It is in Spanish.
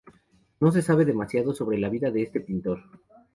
No se sabe demasiado sobre la vida de este pintor.